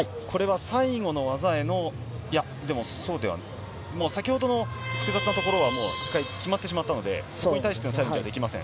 最後の技への先ほどの複雑なところは決まってしまったので、それに対してのチャレンジはできません。